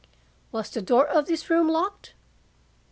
"Was the door of this room locked?"